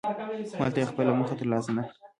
خو هلته یې خپله موخه ترلاسه نکړه.